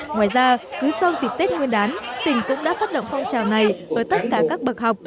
ngoài ra cứ sau dịp tết nguyên đán tỉnh cũng đã phát động phong trào này ở tất cả các bậc học